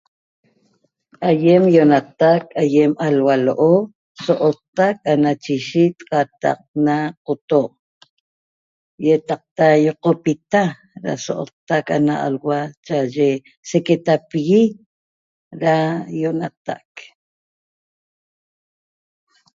Aiem io'onatac aiem alhua lo'o so'ottac ana chiyit qataq na qoto' iataqta iqopita ra so'ottac ana alhua cha'aye sequetapigui ra io'onatac